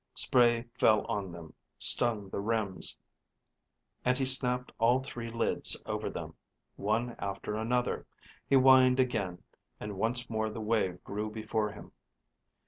Spray fell on them, stung the rims, and he snapped all three lids over them, one after another. He whined again, and once more the wave grew before him.